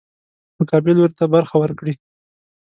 مقابل لوري ته برخه ورکړي.